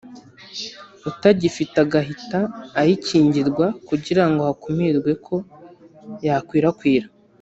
utagifite agahita ayikingirwa kugirango hakumirwe ko yakwirakwira